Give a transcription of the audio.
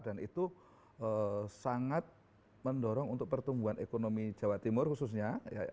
dan itu sangat mendorong untuk pertumbuhan ekonomi jawa timur khususnya